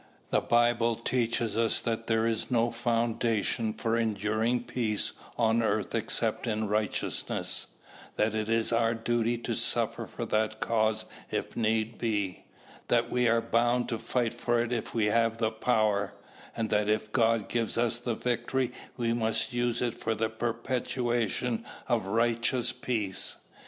The Bible teaches us that there is no foundation for enduring peace on earth except in righteousness: that it is our duty to suffer for that cause if need be: that we are bound to fight for it if we have the power: and that if God gives us the victory we must use it for the perpetuation of righteous peace.